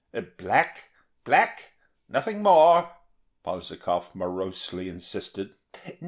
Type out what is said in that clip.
"Black—black—nothing more," Polzikov morosely insisted.